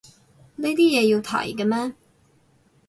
呢啲嘢要提嘅咩